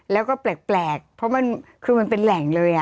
แล้วก็แปลกเพราะมันคือมันเป็นแหล่งเลย